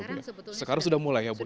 sekarang sebetulnya sudah mulai ya bu